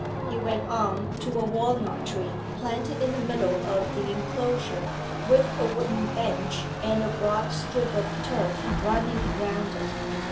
He went on to a walnut tree planted in the middle of the inclosure, with a wooden bench and a broad strip of turf running round it.